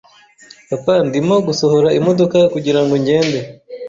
Papa, ndimo gusohora imodoka kugirango ngende.